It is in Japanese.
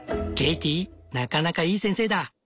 ケイティなかなかいい先生だ。